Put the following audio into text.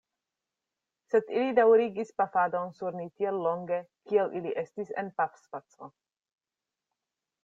Sed, ili daŭrigis pafadon sur ni tiel longe, kiel ili estis en pafspaco.